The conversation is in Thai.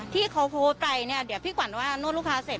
ที่เขาโพสต์ไปเนี่ยเดี๋ยวพี่ขวัญว่านวดลูกค้าเสร็จ